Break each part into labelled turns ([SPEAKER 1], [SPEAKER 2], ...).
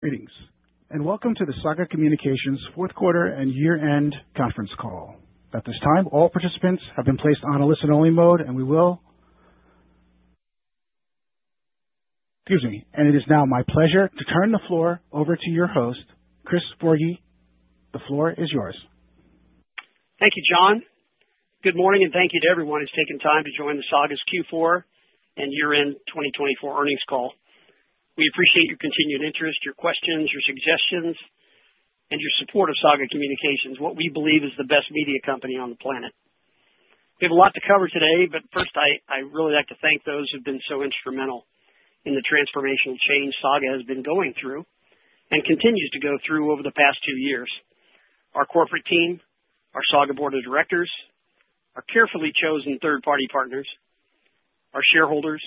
[SPEAKER 1] Greetings, and welcome to the Saga Communications fourth quarter and year-end conference call. At this time, all participants have been placed on a listen-only mode. Excuse me. It is now my pleasure to turn the floor over to your host, Chris Forgy. The floor is yours.
[SPEAKER 2] Thank you, John. Good morning, and thank you to everyone who's taken time to join the Saga's Q4 and year-end 2024 earnings call. We appreciate your continued interest, your questions, your suggestions, and your support of Saga Communications, what we believe is the best media company on the planet. We have a lot to cover today, but first, I really like to thank those who've been so instrumental in the transformational change Saga has been going through and continues to go through over the past two years. Our corporate team, our Saga board of directors, our carefully chosen third-party partners, our shareholders,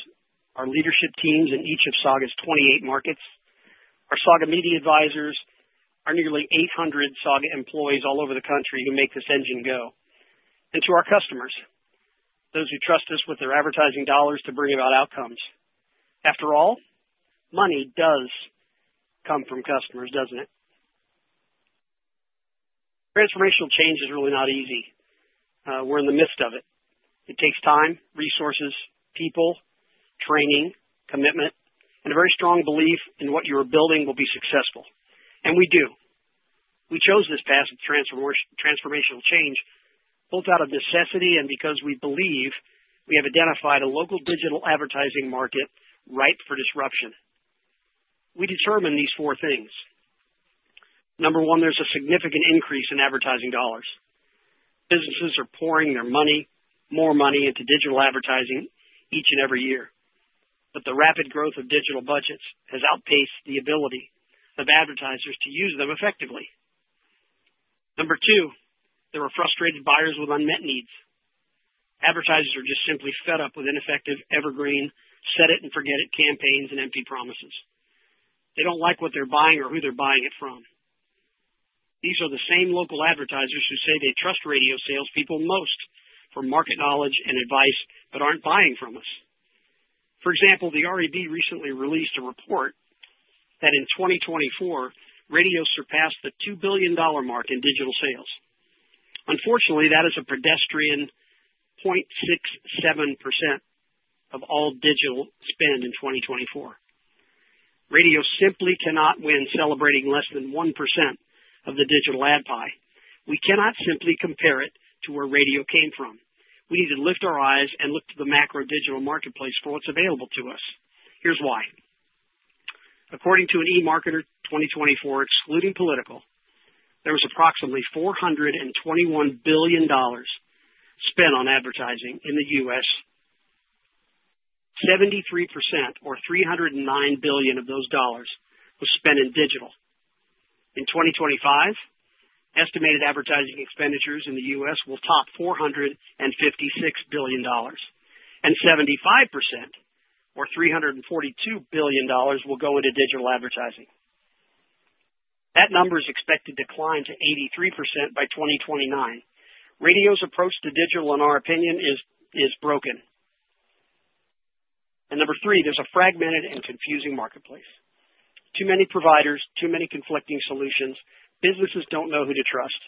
[SPEAKER 2] our leadership teams in each of Saga's 28 markets, our Saga media advisors, our nearly 800 Saga employees all over the country who make this engine go, and to our customers, those who trust us with their advertising dollars to bring about outcomes. After all, money does come from customers, doesn't it? Transformational change is really not easy. We're in the midst of it. It takes time, resources, people, training, commitment, and a very strong belief in what you are building will be successful. We do. We chose this path of transformational change both out of necessity and because we believe we have identified a local digital advertising market ripe for disruption. We determined these four things. Number one, there's a significant increase in advertising dollars. Businesses are pouring their money, more money, into digital advertising each and every year. The rapid growth of digital budgets has outpaced the ability of advertisers to use them effectively. Number two, there are frustrated buyers with unmet needs. Advertisers are just simply fed up with ineffective, evergreen, set-it-and-forget-it campaigns and empty promises. They don't like what they're buying or who they're buying it from. These are the same local advertisers who say they trust radio salespeople most for market knowledge and advice but are not buying from us. For example, the RAB recently released a report that in 2024, radio surpassed the $2 billion mark in digital sales. Unfortunately, that is a pedestrian 0.67% of all digital spend in 2024. Radio simply cannot win celebrating less than 1% of the digital ad pie. We cannot simply compare it to where radio came from. We need to lift our eyes and look to the macro digital marketplace for what is available to us. Here is why. According to an eMarketer 2024, excluding political, there was approximately $421 billion spent on advertising in the U.S. 73%, or $309 billion of those dollars, was spent in digital. In 2025, estimated advertising expenditures in the U.S. will top $456 billion, and 75%, or $342 billion, will go into digital advertising. That number is expected to climb to 83% by 2029. Radio's approach to digital, in our opinion, is broken. Number three, there's a fragmented and confusing marketplace. Too many providers, too many conflicting solutions. Businesses don't know who to trust.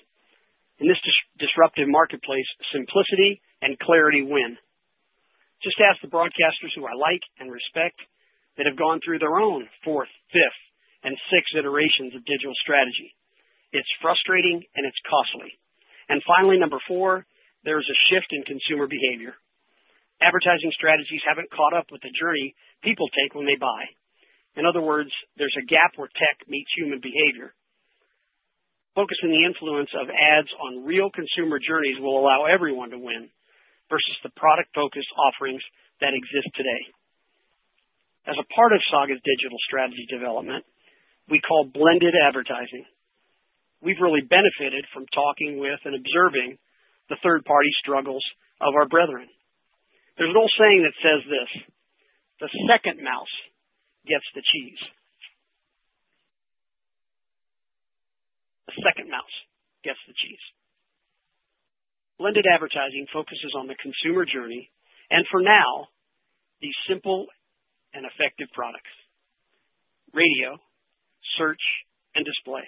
[SPEAKER 2] In this disruptive marketplace, simplicity and clarity win. Just ask the broadcasters who I like and respect that have gone through their own fourth, fifth, and sixth iterations of digital strategy. It's frustrating, and it's costly. Finally, number four, there is a shift in consumer behavior. Advertising strategies haven't caught up with the journey people take when they buy. In other words, there's a gap where tech meets human behavior. Focusing the influence of ads on real consumer journeys will allow everyone to win versus the product-focused offerings that exist today. As a part of Saga's digital strategy development, we call blended advertising. We've really benefited from talking with and observing the third-party struggles of our brethren. There's an old saying that says this: "The second mouse gets the cheese." The second mouse gets the cheese. Blended advertising focuses on the consumer journey, and for now, the simple and effective products: radio, search, and display.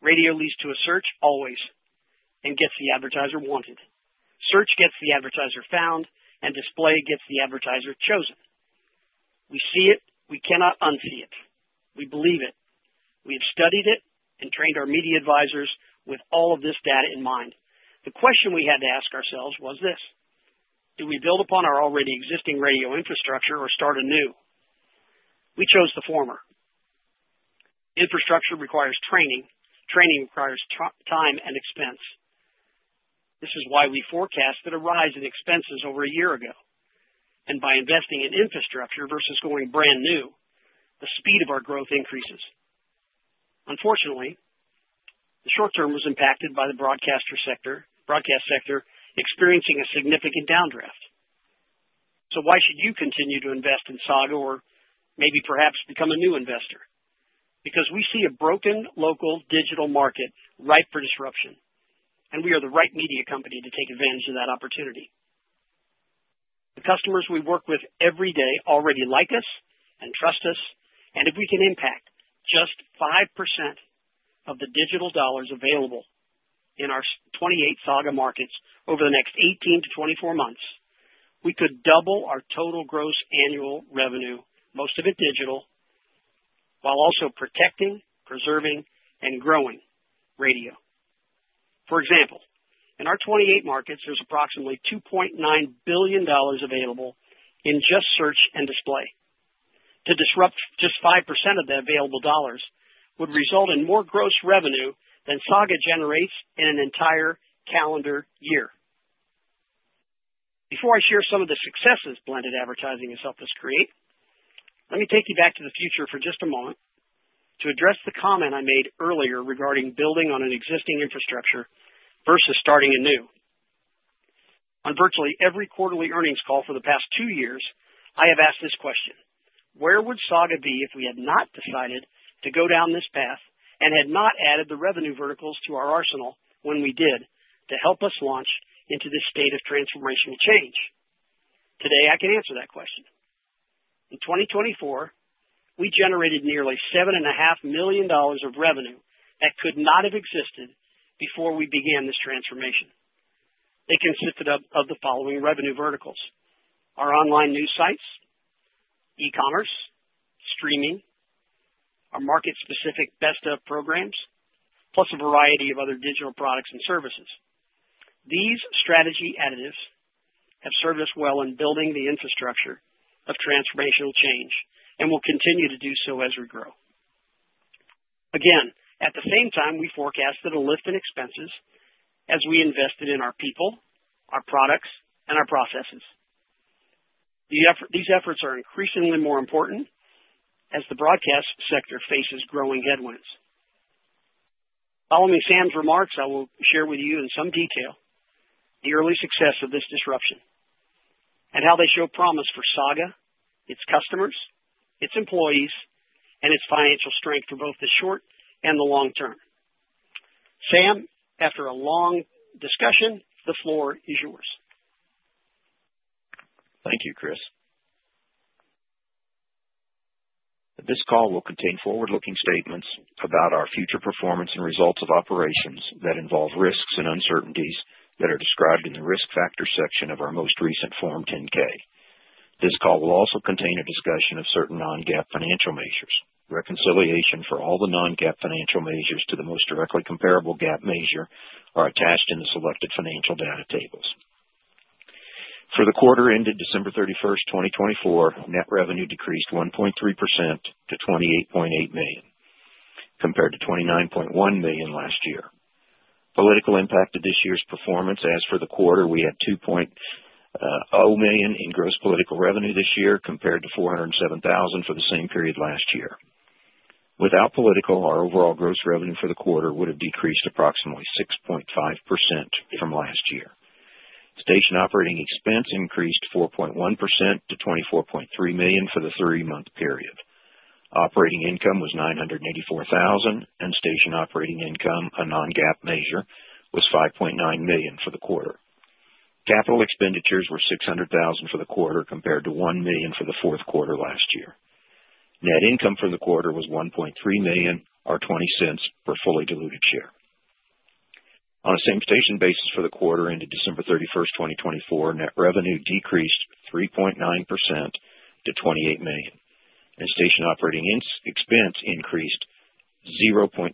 [SPEAKER 2] Radio leads to a search always and gets the advertiser wanted. Search gets the advertiser found, and display gets the advertiser chosen. We see it. We cannot unsee it. We believe it. We have studied it and trained our media advisors with all of this data in mind. The question we had to ask ourselves was this: Do we build upon our already existing radio infrastructure or start anew? We chose the former. Infrastructure requires training. Training requires time and expense. This is why we forecasted a rise in expenses over a year ago. By investing in infrastructure versus going brand new, the speed of our growth increases. Unfortunately, the short term was impacted by the broadcast sector experiencing a significant downdraft. Why should you continue to invest in Saga or maybe perhaps become a new investor? We see a broken local digital market ripe for disruption, and we are the right media company to take advantage of that opportunity. The customers we work with every day already like us and trust us. If we can impact just 5% of the digital dollars available in our 28 Saga markets over the next 18 to 24 months, we could double our total gross annual revenue, most of it digital, while also protecting, preserving, and growing radio. For example, in our 28 markets, there is approximately $2.9 billion available in just search and display. To disrupt just 5% of the available dollars would result in more gross revenue than Saga generates in an entire calendar year. Before I share some of the successes blended advertising has helped us create, let me take you back to the future for just a moment to address the comment I made earlier regarding building on an existing infrastructure versus starting anew. On virtually every quarterly earnings call for the past two years, I have asked this question: Where would Saga be if we had not decided to go down this path and had not added the revenue verticals to our arsenal when we did to help us launch into this state of transformational change? Today, I can answer that question. In 2024, we generated nearly $7.5 million of revenue that could not have existed before we began this transformation. It consisted of the following revenue verticals: our online news sites, e-commerce, streaming, our market-specific best of programs, plus a variety of other digital products and services. These strategy additives have served us well in building the infrastructure of transformational change and will continue to do so as we grow. Again, at the same time, we forecasted a lift in expenses as we invested in our people, our products, and our processes. These efforts are increasingly more important as the broadcast sector faces growing headwinds. Following Sam's remarks, I will share with you in some detail the early success of this disruption and how they show promise for Saga, its customers, its employees, and its financial strength for both the short and the long term. Sam, after a long discussion, the floor is yours.
[SPEAKER 3] Thank you, Chris. This call will contain forward-looking statements about our future performance and results of operations that involve risks and uncertainties that are described in the risk factor section of our most recent Form 10-K. This call will also contain a discussion of certain non-GAAP financial measures. Reconciliation for all the non-GAAP financial measures to the most directly comparable GAAP measure are attached in the selected financial data tables. For the quarter ended December 31, 2024, net revenue decreased 1.3% to $28.8 million compared to $29.1 million last year. Political impacted this year's performance. As for the quarter, we had $2.0 million in gross political revenue this year compared to $407,000 for the same period last year. Without political, our overall gross revenue for the quarter would have decreased approximately 6.5% from last year. Station operating expense increased 4.1% to $24.3 million for the three-month period. Operating income was $984,000, and station operating income, a non-GAAP measure, was $5.9 million for the quarter. Capital expenditures were $600,000 for the quarter compared to $1 million for the fourth quarter last year. Net income for the quarter was $1.3 million, or $0.20 per fully diluted share. On the same station basis for the quarter ended December 31, 2024, net revenue decreased 3.9% to $28 million, and station operating expense increased 0.7%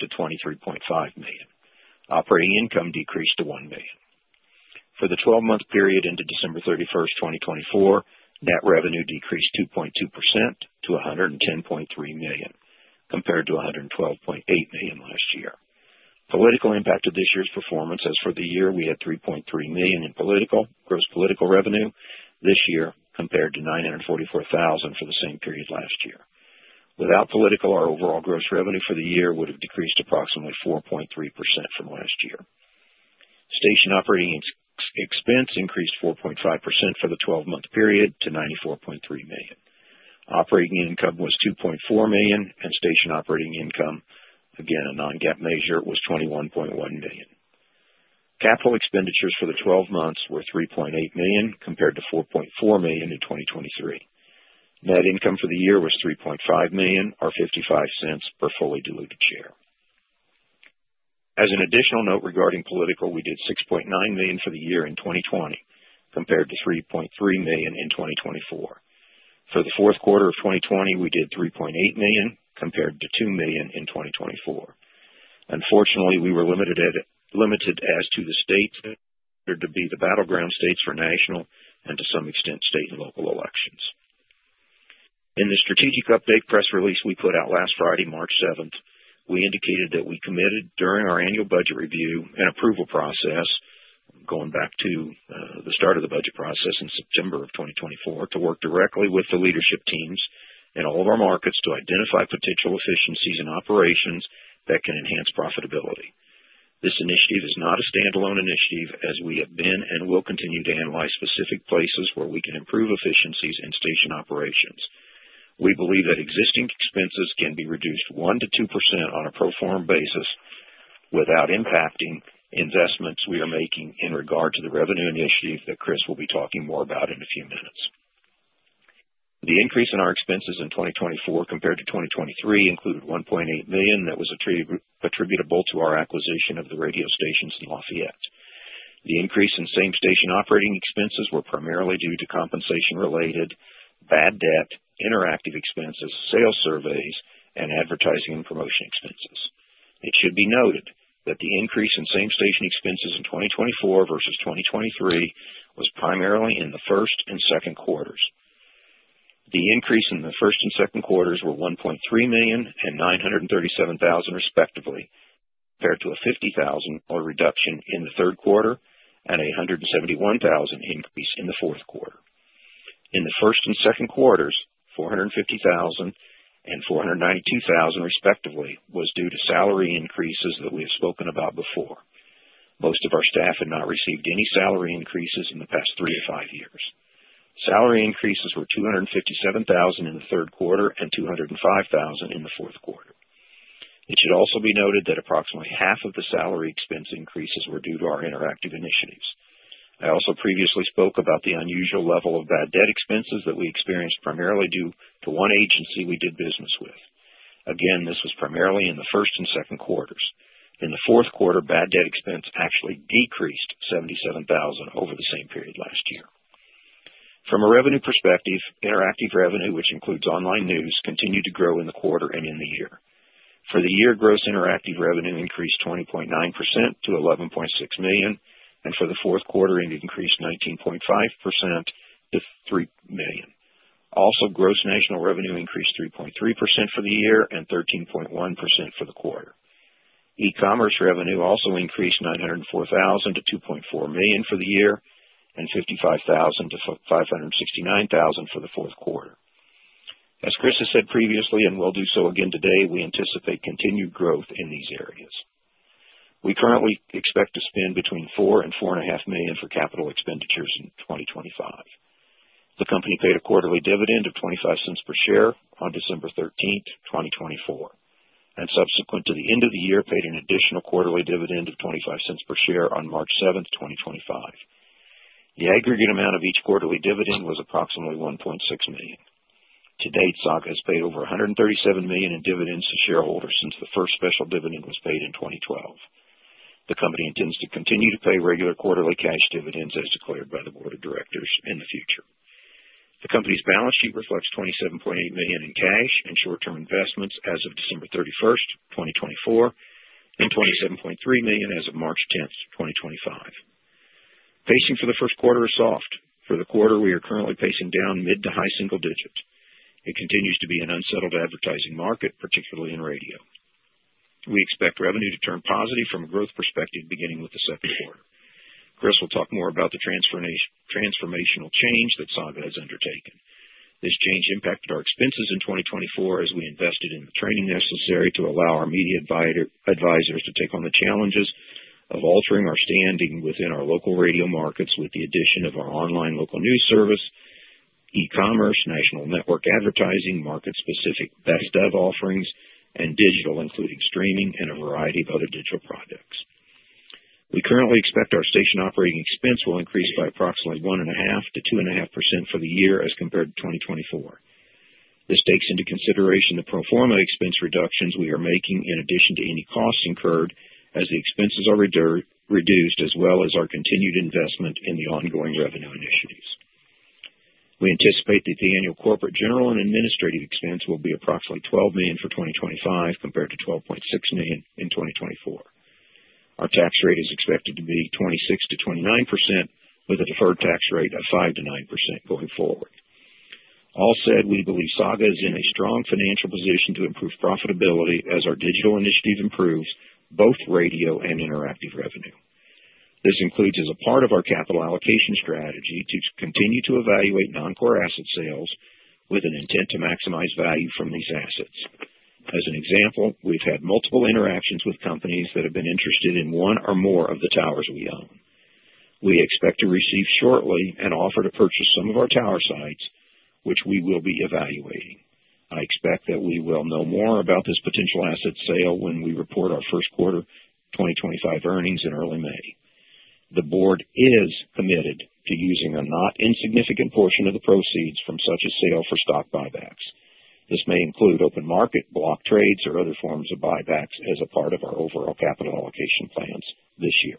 [SPEAKER 3] to $23.5 million. Operating income decreased to $1 million. For the 12-month period ended December 31, 2024, net revenue decreased 2.2% to $110.3 million compared to $112.8 million last year. Political impacted this year's performance. As for the year, we had $3.3 million in political, gross political revenue this year compared to $944,000 for the same period last year. Without political, our overall gross revenue for the year would have decreased approximately 4.3% from last year. Station operating expense increased 4.5% for the 12-month period to $94.3 million. Operating income was $2.4 million, and station operating income, again a non-GAAP measure, was $21.1 million. Capital expenditures for the 12 months were $3.8 million compared to $4.4 million in 2023. Net income for the year was $3.5 million, or $0.55 per fully diluted share. As an additional note regarding political, we did $6.9 million for the year in 2020 compared to $3.3 million in 2024. For the fourth quarter of 2020, we did $3.8 million compared to $2 million in 2024. Unfortunately, we were limited as to the states that appeared to be the battleground states for national and to some extent state and local elections. In the strategic update press release we put out last Friday, March 7, we indicated that we committed during our annual budget review and approval process, going back to the start of the budget process in September of 2024, to work directly with the leadership teams in all of our markets to identify potential efficiencies in operations that can enhance profitability. This initiative is not a standalone initiative as we have been and will continue to analyze specific places where we can improve efficiencies in station operations. We believe that existing expenses can be reduced 1-2% on a pro forma basis without impacting investments we are making in regard to the revenue initiative that Chris will be talking more about in a few minutes. The increase in our expenses in 2024 compared to 2023 included $1.8 million that was attributable to our acquisition of the radio stations in Lafayette. The increase in same station operating expenses was primarily due to compensation-related bad debt, interactive expenses, sales surveys, and advertising and promotion expenses. It should be noted that the increase in same station expenses in 2024 versus 2023 was primarily in the first and second quarters. The increase in the first and second quarters was $1.3 million and $937,000 respectively, compared to a $50,000 reduction in the third quarter and a $171,000 increase in the fourth quarter. In the first and second quarters, $450,000 and $492,000 respectively was due to salary increases that we have spoken about before. Most of our staff had not received any salary increases in the past three to five years. Salary increases were $257,000 in the third quarter and $205,000 in the fourth quarter. It should also be noted that approximately half of the salary expense increases were due to our interactive initiatives. I also previously spoke about the unusual level of bad debt expenses that we experienced primarily due to one agency we did business with. Again, this was primarily in the first and second quarters. In the fourth quarter, bad debt expense actually decreased $77,000 over the same period last year. From a revenue perspective, interactive revenue, which includes online news, continued to grow in the quarter and in the year. For the year, gross interactive revenue increased 20.9% to $11.6 million, and for the fourth quarter, it increased 19.5% to $3 million. Also, gross national revenue increased 3.3% for the year and 13.1% for the quarter. E-commerce revenue also increased $904,000 to $2.4 million for the year and $55,000 to $569,000 for the fourth quarter. As Chris has said previously and will do so again today, we anticipate continued growth in these areas. We currently expect to spend between $4 million and $4.5 million for capital expenditures in 2025. The company paid a quarterly dividend of $0.25 per share on December 13th, 2024, and subsequent to the end of the year, paid an additional quarterly dividend of $0.25 per share on March 7th, 2025. The aggregate amount of each quarterly dividend was approximately $1.6 million. To date, Saga has paid over $137 million in dividends to shareholders since the first special dividend was paid in 2012. The company intends to continue to pay regular quarterly cash dividends as declared by the board of directors in the future. The company's balance sheet reflects $27.8 million in cash and short-term investments as of December 31, 2024, and $27.3 million as of March 10, 2025. Pacing for the first quarter is soft. For the quarter, we are currently pacing down mid to high single digits. It continues to be an unsettled advertising market, particularly in radio. We expect revenue to turn positive from a growth perspective beginning with the second quarter. Chris will talk more about the transformational change that Saga has undertaken. This change impacted our expenses in 2024 as we invested in the training necessary to allow our media advisors to take on the challenges of altering our standing within our local radio markets with the addition of our online local news service, e-commerce, national network advertising, market-specific best-of offerings, and digital, including streaming and a variety of other digital products. We currently expect our station operating expense will increase by approximately 1.5%-2.5% for the year as compared to 2024. This takes into consideration the pro forma expense reductions we are making in addition to any costs incurred as the expenses are reduced, as well as our continued investment in the ongoing revenue initiatives. We anticipate that the annual corporate general and administrative expense will be approximately $12 million for 2025 compared to $12.6 million in 2024. Our tax rate is expected to be 26%-29%, with a deferred tax rate of 5%-9% going forward. All said, we believe Saga is in a strong financial position to improve profitability as our digital initiative improves both radio and interactive revenue. This includes, as a part of our capital allocation strategy, to continue to evaluate non-core asset sales with an intent to maximize value from these assets. As an example, we've had multiple interactions with companies that have been interested in one or more of the towers we own. We expect to receive shortly an offer to purchase some of our tower sites, which we will be evaluating. I expect that we will know more about this potential asset sale when we report our first quarter 2025 earnings in early May. The board is committed to using a not insignificant portion of the proceeds from such a sale for stock buybacks. This may include open market, block trades, or other forms of buybacks as a part of our overall capital allocation plans this year.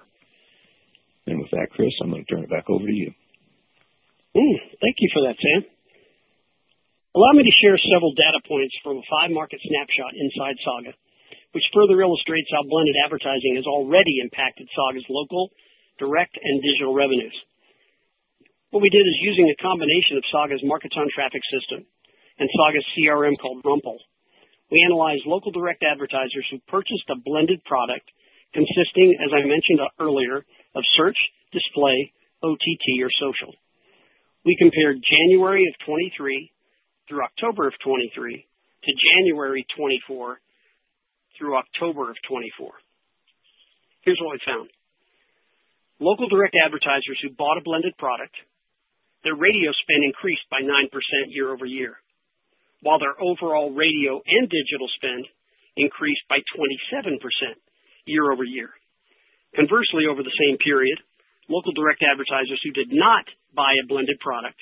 [SPEAKER 3] With that, Chris, I'm going to turn it back over to you.
[SPEAKER 2] Thank you for that, Sam. Allow me to share several data points from a five-market snapshot inside Saga, which further illustrates how blended advertising has already impacted Saga's local, direct, and digital revenues. What we did is, using a combination of Saga's Marketron Traffic system and Saga's CRM called Rumple, we analyzed local direct advertisers who purchased a blended product consisting, as I mentioned earlier, of search, display, OTT, or social. We compared January of 2023 through October of 2023 to January 2024 through October of 2024. Here's what we found: local direct advertisers who bought a blended product, their radio spend increased by 9% year over year, while their overall radio and digital spend increased by 27% year over year. Conversely, over the same period, local direct advertisers who did not buy a blended product,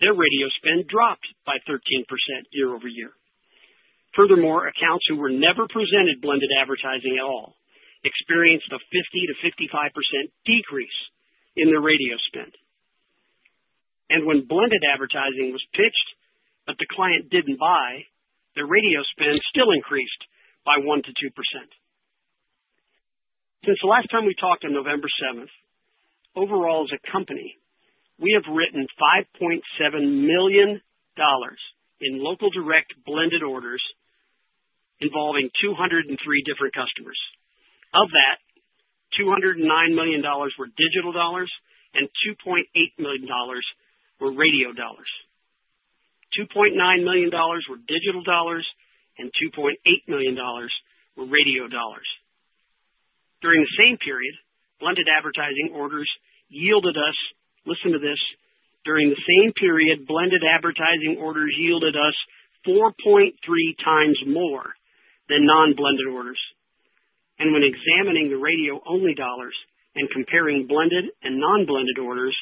[SPEAKER 2] their radio spend dropped by 13% year over year. Furthermore, accounts who were never presented blended advertising at all experienced a 50%-55% decrease in their radio spend. When blended advertising was pitched but the client did not buy, their radio spend still increased by 1%-2%. Since the last time we talked on November 7th, overall as a company, we have written $5.7 million in local direct blended orders involving 203 different customers. Of that, $2.9 million were digital dollars and $2.8 million were radio dollars. During the same period, blended advertising orders yielded us—listen to this—during the same period, blended advertising orders yielded us 4.3 times more than non-blended orders. When examining the radio-only dollars and comparing blended and non-blended orders,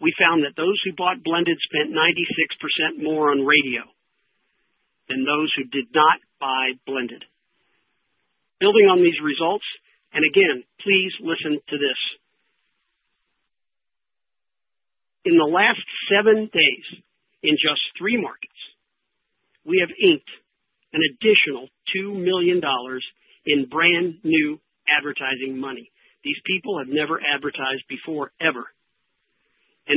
[SPEAKER 2] we found that those who bought blended spent 96% more on radio than those who did not buy blended. Building on these results, and again, please listen to this: in the last seven days, in just three markets, we have inked an additional $2 million in brand new advertising money. These people have never advertised before, ever.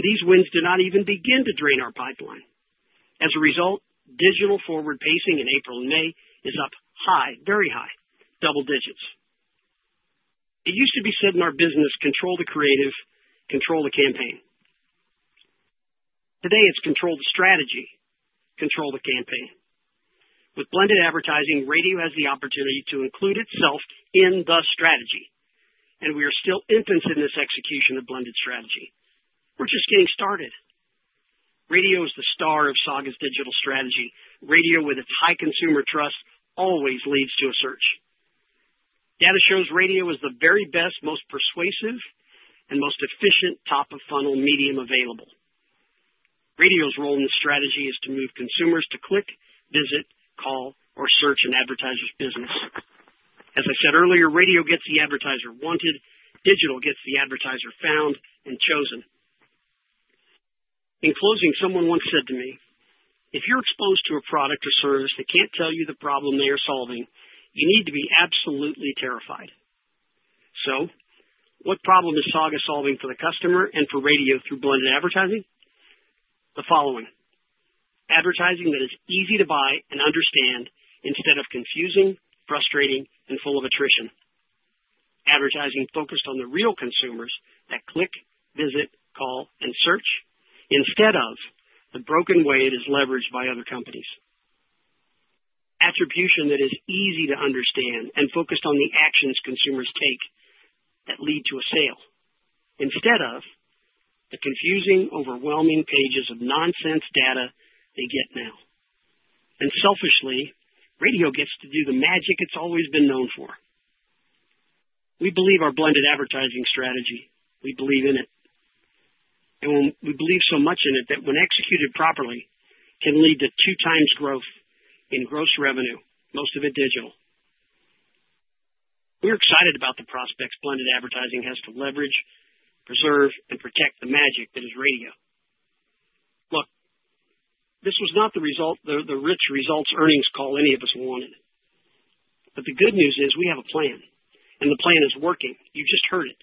[SPEAKER 2] These wins do not even begin to drain our pipeline. As a result, digital forward pacing in April and May is up high, very high, double digits. It used to be said in our business, "Control the creative, control the campaign." Today, it is "Control the strategy, control the campaign." With blended advertising, radio has the opportunity to include itself in the strategy. We are still infants in this execution of blended strategy. We are just getting started. Radio is the star of Saga's digital strategy. Radio with its high consumer trust always leads to a search. Data shows radio is the very best, most persuasive, and most efficient top-of-funnel medium available. Radio's role in the strategy is to move consumers to click, visit, call, or search an advertiser's business. As I said earlier, radio gets the advertiser wanted. Digital gets the advertiser found and chosen. In closing, someone once said to me, "If you're exposed to a product or service that can't tell you the problem they are solving, you need to be absolutely terrified." What problem is Saga solving for the customer and for radio through blended advertising? The following: advertising that is easy to buy and understand instead of confusing, frustrating, and full of attrition; advertising focused on the real consumers that click, visit, call, and search instead of the broken way it is leveraged by other companies; attribution that is easy to understand and focused on the actions consumers take that lead to a sale instead of the confusing, overwhelming pages of nonsense data they get now. Selfishly, radio gets to do the magic it's always been known for. We believe our blended advertising strategy. We believe in it. We believe so much in it that when executed properly, it can lead to two-times growth in gross revenue, most of it digital. We're excited about the prospects blended advertising has to leverage, preserve, and protect the magic that is radio. Look, this was not the rich results earnings call any of us wanted. The good news is we have a plan. The plan is working. You just heard it.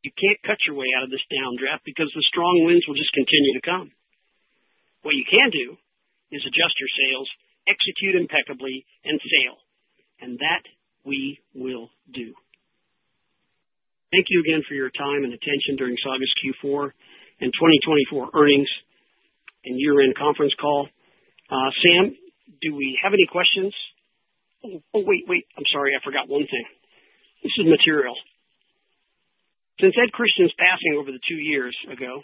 [SPEAKER 2] You can't cut your way out of this downdraft because the strong winds will just continue to come. What you can do is adjust your sales, execute impeccably, and sail. That we will do. Thank you again for your time and attention during Saga's Q4 and 2024 earnings and year-end conference call. Sam, do we have any questions?
[SPEAKER 3] Oh, wait, wait. I'm sorry. I forgot one thing.
[SPEAKER 2] This is material. Since Ed Christian's passing over the two years ago,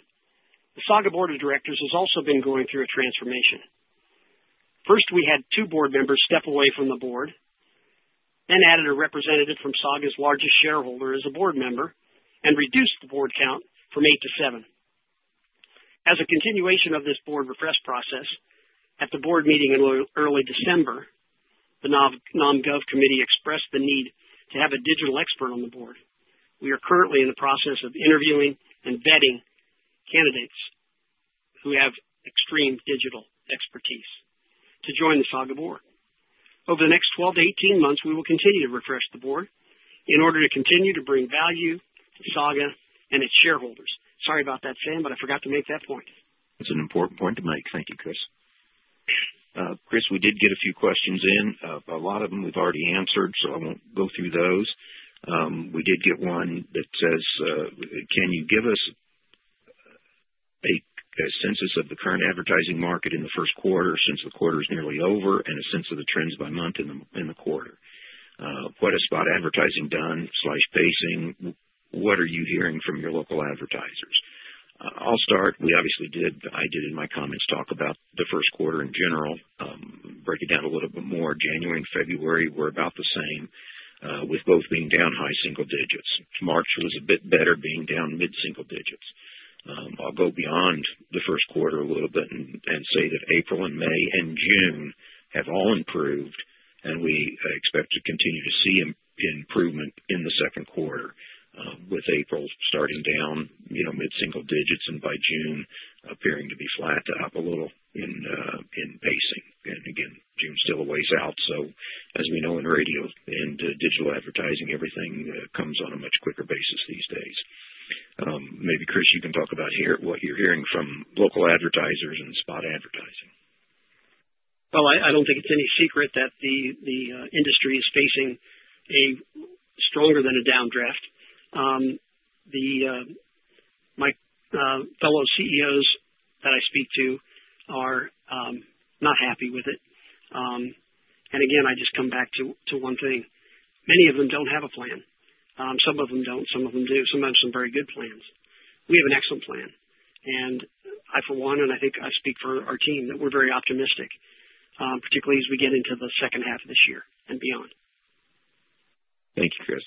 [SPEAKER 2] the Saga board of directors has also been going through a transformation. First, we had two board members step away from the board, then added a representative from Saga's largest shareholder as a board member, and reduced the board count from eight to seven. As a continuation of this board refresh process, at the board meeting in early December, the Nom/Gov committee expressed the need to have a digital expert on the board. We are currently in the process of interviewing and vetting candidates who have extreme digital expertise to join the Saga board. Over the next 12 to 18 months, we will continue to refresh the board in order to continue to bring value to Saga and its shareholders. Sorry about that, Sam, but I forgot to make that point.
[SPEAKER 3] That's an important point to make. Thank you, Chris. Chris, we did get a few questions in. A lot of them we've already answered, so I won't go through those. We did get one that says, "Can you give us a census of the current advertising market in the first quarter since the quarter is nearly over and a sense of the trends by month in the quarter? What has spot advertising done/pacing? What are you hearing from your local advertisers?" I'll start. We obviously did—I did in my comments—talk about the first quarter in general, break it down a little bit more. January and February were about the same, with both being down high single digits. March was a bit better, being down mid-single digits. I'll go beyond the first quarter a little bit and say that April and May and June have all improved, and we expect to continue to see improvement in the second quarter, with April starting down mid-single digits and by June appearing to be flat, up a little in pacing. June is still a ways out. As we know in radio and digital advertising, everything comes on a much quicker basis these days. Maybe Chris, you can talk about what you're hearing from local advertisers and spot advertising.
[SPEAKER 2] I do not think it is any secret that the industry is facing a stronger than a downdraft. My fellow CEOs that I speak to are not happy with it. I just come back to one thing. Many of them do not have a plan. Some of them do not. Some of them do. Some of them have some very good plans. We have an excellent plan. I, for one, and I think I speak for our team, that we are very optimistic, particularly as we get into the second half of this year and beyond.
[SPEAKER 3] Thank you, Chris.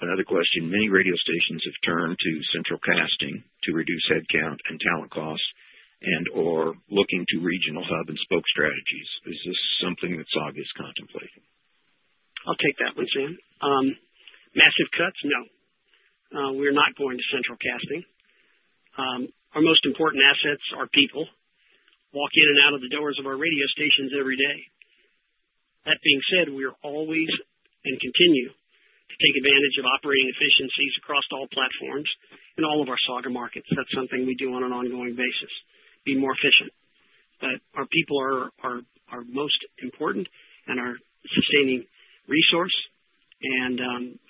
[SPEAKER 3] Another question: many radio stations have turned to central casting to reduce headcount and talent costs and/or looking to regional hub and spoke strategies. Is this something that's obvious contemplation?
[SPEAKER 2] I'll take that one, Sam. Massive cuts? No. We're not going to central casting. Our most important assets are people walking in and out of the doors of our radio stations every day. That being said, we are always and continue to take advantage of operating efficiencies across all platforms in all of our Saga markets. That's something we do on an ongoing basis: be more efficient. Our people are our most important and our sustaining resource.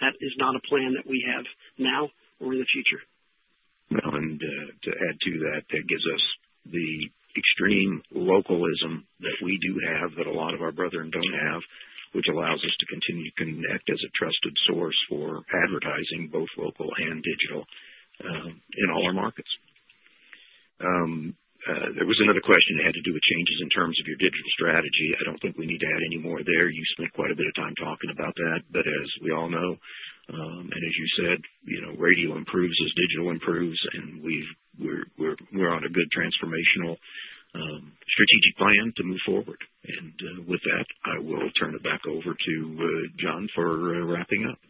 [SPEAKER 2] That is not a plan that we have now or in the future.
[SPEAKER 3] To add to that, that gives us the extreme localism that we do have that a lot of our brethren don't have, which allows us to continue to connect as a trusted source for advertising, both local and digital, in all our markets. There was another question that had to do with changes in terms of your digital strategy. I don't think we need to add any more there. You spent quite a bit of time talking about that. As we all know, and as you said, radio improves as digital improves, and we're on a good transformational strategic plan to move forward. With that, I will turn it back over to John for wrapping up.